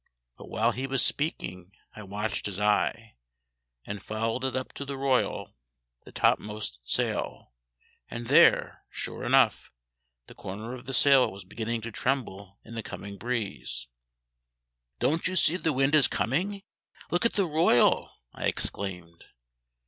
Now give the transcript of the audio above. But while he was speaking I watched his eye, and followed it up to the royal (the topmost sail), and there, sure enough, the corner of the sail was beginning to tremble in the coming breeze. "Don't you see the wind is coming? Look at the royal!" I exclaimed.